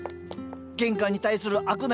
玄関に対する飽く